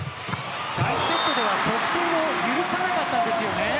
第１セットでは得点を許さなかったんです。